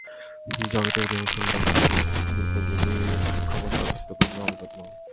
জগতের অধিকাংশ লোক এই বৃত্তিগুলির সূক্ষ্মাবস্থার অস্তিত্ব পর্যন্ত অবগত নয়।